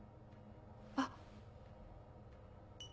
あっ。